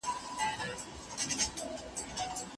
دغه آيت په هغه اړه نازل سو.